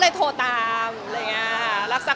แต่ตอนที่เขาเล่นด้วยกัน